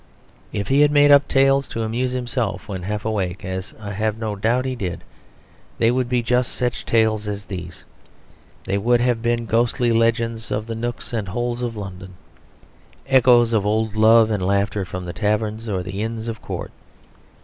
If he had made up tales to amuse himself when half awake (as I have no doubt he did) they would be just such tales as these. They would have been ghostly legends of the nooks and holes of London, echoes of old love and laughter from the taverns or the Inns of Court.